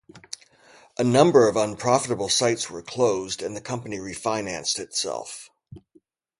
A number of unprofitable sites were closed and the company refinanced itself.